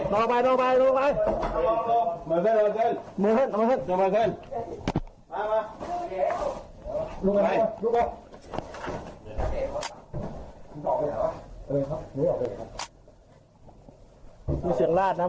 เสียงร้าดนะเมื่อกี้